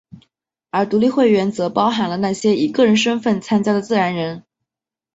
而独立会员则包含了那些以个人身份参加的自然人。